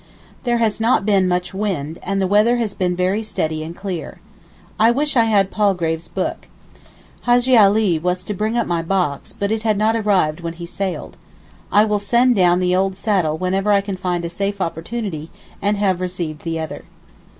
There has not been much wind, and the weather has been very steady and clear. I wish I had Palgrave's book. Hajjee Ali was to bring up my box, but it had not arrived when he sailed. I will send down the old saddle whenever I can find a safe opportunity and have received the other.